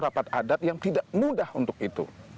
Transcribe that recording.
rapat adat yang tidak mudah untuk itu